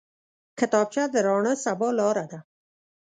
کتابچه د راڼه سبا لاره ده